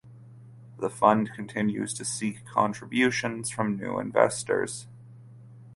The fund continues to seek contributions from new investors.